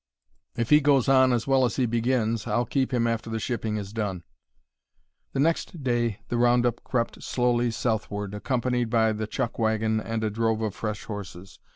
"If he goes on as well as he begins I'll keep him after the shipping is done." The next day the round up crept slowly southward, accompanied by the chuck wagon and a drove of fresh horses.